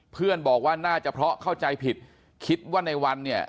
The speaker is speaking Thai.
เพื่อนบอกว่าน่าจะเพราะเข้าใจผิดคิดว่าในวันเนี่ย